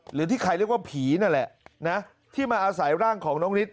หรือที่ใครเรียกว่าผีนั่นแหละนะที่มาอาศัยร่างของน้องฤทธิ